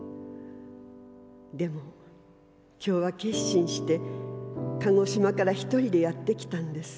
でも今日は決心して鹿児島から一人でやってきたんです。